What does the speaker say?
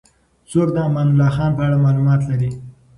څوک د امان الله خان په اړه معلومات لري؟